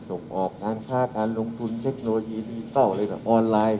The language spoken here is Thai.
ส่งออกการค้าการลงทุนเทคโนโลยีดิจิทัลอะไรต่างออนไลน์